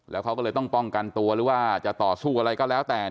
แล้วเขาก็เลยต้องป้องกันตัวหรือว่าจะต่อสู้อะไรก็แล้วแต่